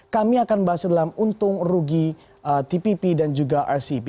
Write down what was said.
kami akan bahas dalam untung rugi tpp dan juga rcp